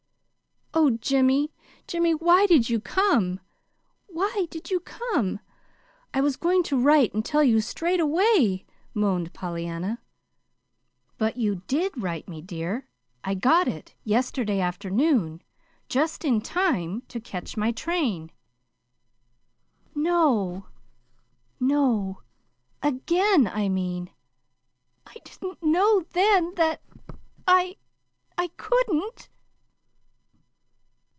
"Oh, Jimmy, Jimmy, why did you come, why did you come? I was going to write and tell you straight away," moaned Pollyanna. "But you did write me, dear. I got it yesterday afternoon, just in time to catch my train." "No, no; AGAIN, I mean. I didn't know then that I I couldn't."